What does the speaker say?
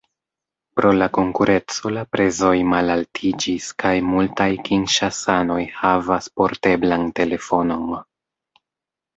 Pro la konkurenco la prezoj malaltiĝis kaj multaj kinŝasanoj havas porteblan telefonon.